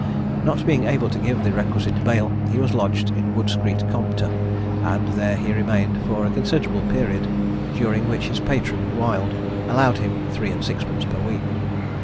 Not being able to give the requisite bail, he was lodged in Wood street Compter, and there he remained for a considerable period; during which his patron, Wild, allowed him three and sixpence per week.